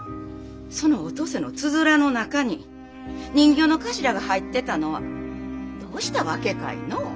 そのお登勢のつづらの中に人形の頭が入ってたのはどうした訳かいの？